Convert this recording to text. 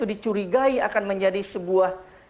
dicurigai akan menjadi sebuah